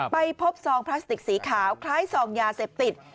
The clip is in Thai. ไปพบซองพลาสติกสีขาวคล้ายซองยาเสพติด